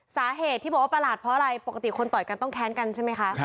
สาเหตุที่บอกว่าประหลาดเพราะอะไรปกติคนต่อยกันต้องแค้นกันใช่ไหมคะ